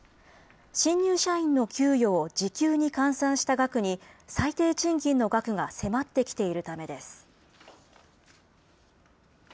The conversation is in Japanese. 新入社員の給与を時給に換算した額に最低賃金の額が迫ってきているためです。